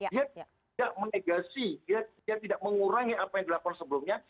dia tidak menegasi dia tidak mengurangi apa yang dilapor sebelumnya